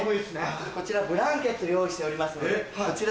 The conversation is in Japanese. こちらブランケット用意しておりますのでこちら